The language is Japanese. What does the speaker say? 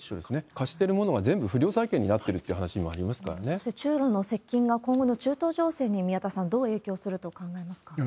貸してるものが全部不良債権になってるって話もそして、中ロの接近が今後の中東情勢に宮田さん、どう影響すると考えますか？